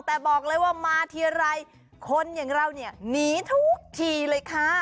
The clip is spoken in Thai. แต่บอกเลยว่ามาทีไรคนอย่างเราเนี่ยหนีทุกทีเลยค่ะ